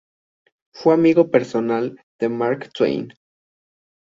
Fue amigo personal de Mark Twain.